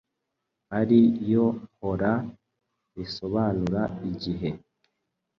ari yo hora risobanura igihe